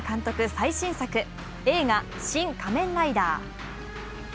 最新作映画「シン・仮面ライダー」。